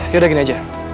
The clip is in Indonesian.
ya udah gini aja